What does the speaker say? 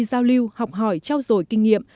giao lưu học hỏi trao dồi kinh nghiệm